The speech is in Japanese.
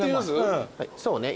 そうね。